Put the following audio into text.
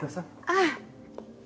ああ。